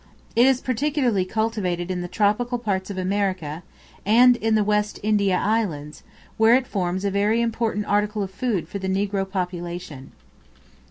It is particularly cultivated in the tropical parts of America, and in the West India islands, where it forms a very important article of food for the Negro population.